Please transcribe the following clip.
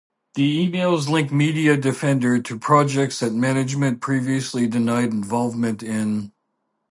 The emails link MediaDefender to projects that management previously denied involvement in.